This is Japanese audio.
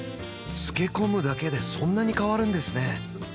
つけ込むだけでそんなに変わるんですね